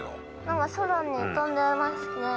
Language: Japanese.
何か空に飛んでますね。